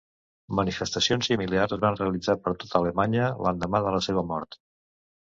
Manifestacions similars es van realitzar per tota Alemanya l'endemà de la seva mort.